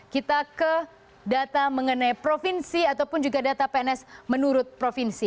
kita ke data mengenai provinsi ataupun juga data pns menurut provinsi